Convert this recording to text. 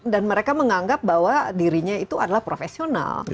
dan mereka menganggap bahwa dirinya itu adalah profesional